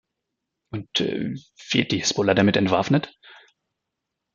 Und wird die Hisbollah damit entwaffnet?